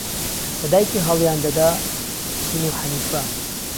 بە دایکی هەڵیان دەدا ایبنو حەنیفە.